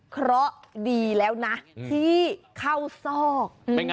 เพราะดีแล้วนะที่เข้าซอก